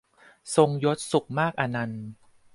ทรงยศ สุขมากอนันต์